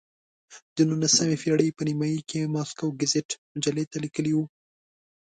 د نولسمې پېړۍ په نیمایي کې یې ماسکو ګزیت مجلې ته لیکلي وو.